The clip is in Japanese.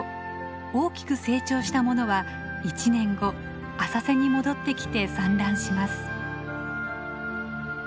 大きく成長したものは１年後浅瀬に戻ってきて産卵します。